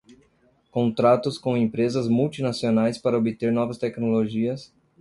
contratos com empresas multinacionais para obter novas tecnologias